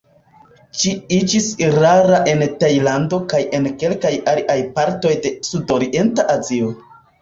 Ĝi iĝis rara en Tajlando kaj en kelkaj aliaj partoj de sudorienta Azio.